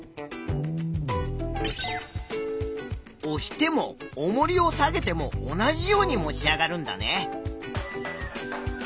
おしてもおもりを下げても同じように持ち上がるんだね。